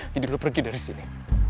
jadi lu pergi dari sini